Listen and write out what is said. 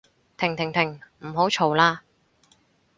停停停唔好嘈喇